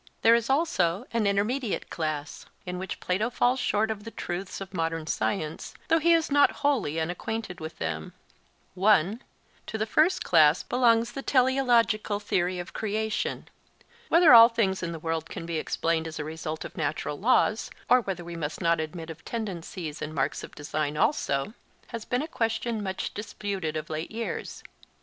There is also an intermediate class, in which Plato falls short of the truths of modern science, though he is not wholly unacquainted with them. (1) To the first class belongs the teleological theory of creation. Whether all things in the world can be explained as the result of natural laws, or whether we must not admit of tendencies and marks of design also, has been a question much disputed of late years.